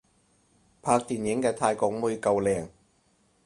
拍電影嘅泰國妹夠靚